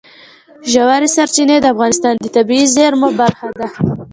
ژورې سرچینې د افغانستان د طبیعي زیرمو برخه ده.